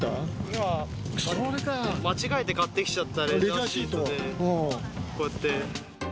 今、間違えて買ってきちゃったレジャーシートで、こうやって。